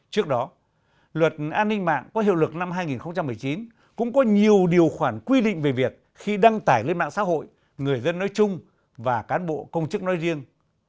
trước đó luật an ninh mạng có hiệu lực năm hai nghìn một mươi chín cũng có nhiều điều khoản quy định về việc khi đăng tải lên mạng xã hội người dân nói chung và cán bộ công chức nói riêng